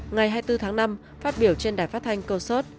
ngày hai mươi bốn tháng năm phát biểu trên đài phát thanh cocert